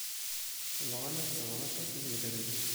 Bɣan ad sɛun aṭas n yedrimen.